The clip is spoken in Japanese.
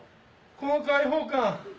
この解放感！